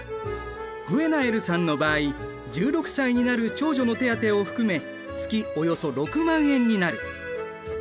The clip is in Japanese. グェナエルさんの場合１６歳になる長女の手当を含め月およそ６万円になる。